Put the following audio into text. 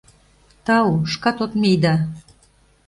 — Тау, шкат от мий да...